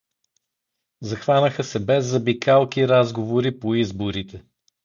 Захванаха се без забикалки разговори по изборите.